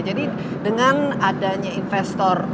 jadi dengan adanya investor